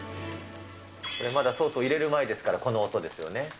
これ、まだソースを入れる前ですから、この音ですよね。